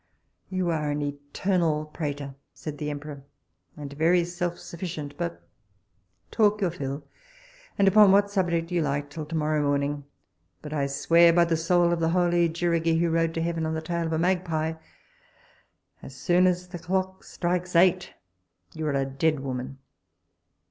You are an eternal prater, said the emperor, and very self sufficient; but talk your fill, and upon what subject you like till tomorrow morning; but I swear by the soul of the holy Jirigi, who rode to heaven on the tail of a magpie, as soon as the clock strikes eight, you are a dead woman.